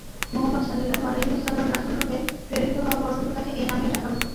মুহাম্মাদ সাল্লাল্লাহু আলাইহি ওয়াসাল্লাম রাসূলরূপে প্রেরিত হওয়া পর্যন্ত তাকে এ নামেই ডাকা হত।